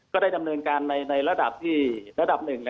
ก็ได้นำเนินการในระดับหนึ่ง